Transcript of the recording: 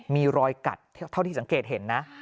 มีรอยกัดเท่าที่สังเกตเห็นนะ